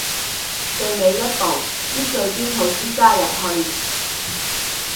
最尾一步，搣碎啲吐司加入去